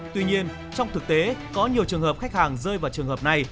tuy nhiên trong thực tế có nhiều trường hợp khách hàng rơi vào trường hợp này